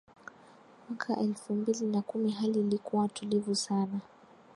Mwaka elfu mbili na kumi hali ilikuwa tulivu sana